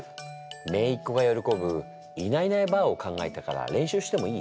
めいっ子がよろこぶいないいないばぁを考えたから練習してもいい？